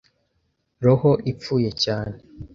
roho ipfuye cyane.